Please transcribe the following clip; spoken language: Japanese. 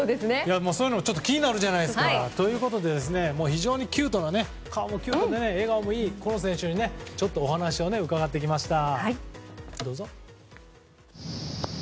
そういうの気になるじゃないですか。ということで非常に、顔もキュートで笑顔もいい、この選手にお話を伺ってきました。